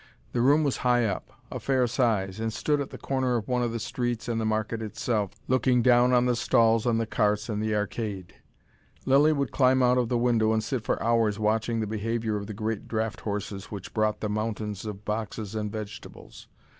The room was high up, a fair size, and stood at the corner of one of the streets and the market itself, looking down on the stalls and the carts and the arcade. Lilly would climb out of the window and sit for hours watching the behaviour of the great draught horses which brought the mountains of boxes and vegetables.